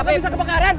bapak bisa kebakaran